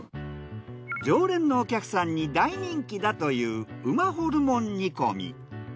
常連のお客さんに大人気だという馬ホルモン煮こみ。